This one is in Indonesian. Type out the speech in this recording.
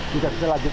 kita bisa lanjutkan